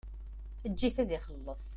Eǧǧ-it ad t-ixelleṣ.